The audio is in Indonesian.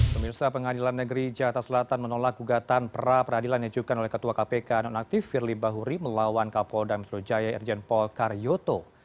pemirsa pengadilan negeri jatah selatan menolak ugatan pra peradilan yang diujukan oleh ketua kpk nonaktif firly bahuri melawan kapol damis lujaya erjenpol karyoto